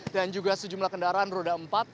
dan juga sejumlah kendaraan roda empat